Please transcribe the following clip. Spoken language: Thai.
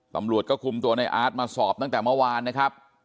ตำรวจก็คุมตัวในอาร์ตมาสอบตั้งแต่เมื่อวานนะครับ